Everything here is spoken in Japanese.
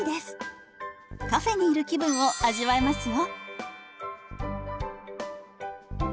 カフェにいる気分を味わえますよ。